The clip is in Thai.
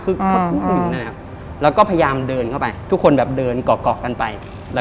เราก็พยายามเดินเข้าไปทุกคนเกาะเกาะกันไป